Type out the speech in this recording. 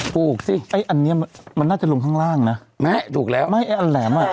ปลูกสิไอ้อันเนี้ยมันน่าจะลงข้างล่างนะแม่ถูกแล้วไม่ไอ้อันแหลมอ่ะ